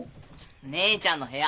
姉ちゃんの部屋。